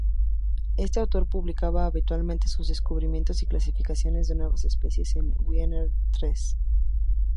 Este autor publicaba habitualmente sus descubrimientos y clasificaciones de nuevas especies en "Wiener Ill.